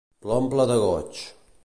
L'omple de goig.